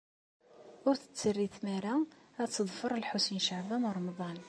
Ur tt-terri tmara ad teḍfer Lḥusin n Caɛban u Ṛemḍan.